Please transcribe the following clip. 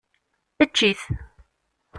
Ečč-it!